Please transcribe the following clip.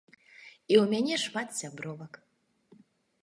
І ў мяне шмат сябровак.